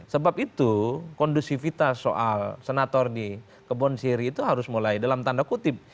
sebab itu kondusivitas soal senator di kebon siri itu harus mulai dalam tanda kutip